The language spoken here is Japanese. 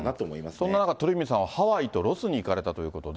そんな中、鳥海さんはハワイとロスに行かれたということで。